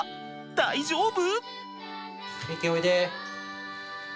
大丈夫？